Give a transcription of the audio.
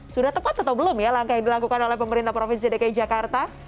sudah tepat atau belum ya langkah yang dilakukan oleh pemerintah provinsi dki jakarta